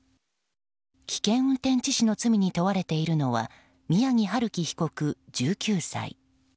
危険運転致死の罪に問われているのは宮城陽己被告、１９歳。